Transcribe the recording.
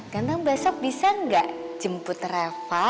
ganteng besok bisa gak jemput reva